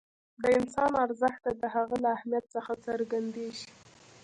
د انسان ارزښت د هغه له اهمیت څخه څرګندېږي.